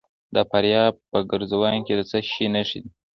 د فاریاب په ګرزوان کې د څه شي نښې دي؟